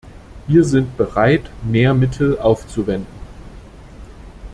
Wir sind bereit, mehr Mittel aufzuwenden.